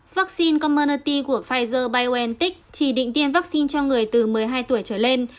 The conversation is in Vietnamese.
vaccine commernalty của pfizer biontech chỉ định tiêm vaccine cho người từ một mươi hai tuổi trở lên